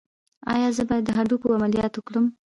ایا زه باید د هډوکو عملیات وکړم؟